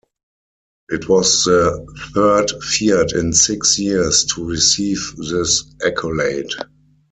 It was the third Fiat in six years to receive this accolade.